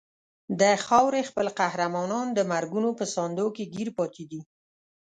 د خاورې خپل قهرمانان د مرګونو په ساندو کې ګیر پاتې دي.